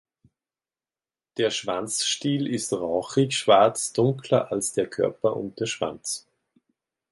Der Schwanzstiel ist rauchig schwarz, dunkler als der Körper und der Schwanz.